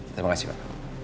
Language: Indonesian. terima kasih pak